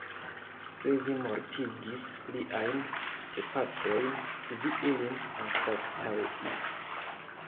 Se vi mortigis liajn gepatrojn, vi ilin anstataŭis.